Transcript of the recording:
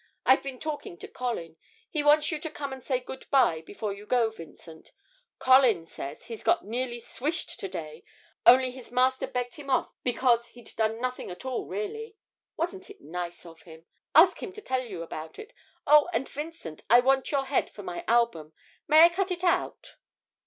'I've been talking to Colin: he wants you to come and say good bye before you go, Vincent. Colin says he nearly got "swished" to day, only his master begged him off because he'd done nothing at all really. Wasn't it nice of him? Ask him to tell you about it. Oh, and, Vincent, I want your head for my album. May I cut it out?'